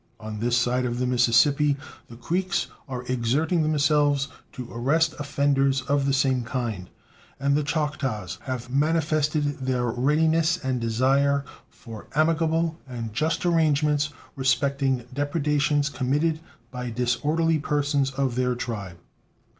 On this side of the Mississippi the Creeks are exerting themselves to arrest offenders of the same kind, and the Choctaws have manifested their readiness and desire for amicable and just arrangements respecting depredations committed by disorderly persons of their tribe.